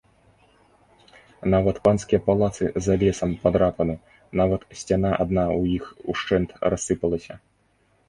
Нават панскія палацы за лесам падрапаны, нават сцяна адна ў іх ушчэнт рассыпалася.